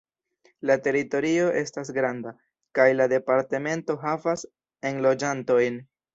La teritorio estas granda, kaj la departemento havas enloĝantojn.